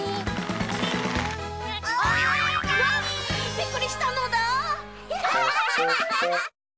びっくりしたのだ！